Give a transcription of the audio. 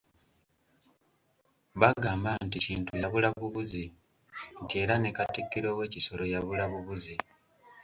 Bagamba nti Kintu yabula bubuzi, nti era ne Katikkiro we Kisolo yabula bubuzi.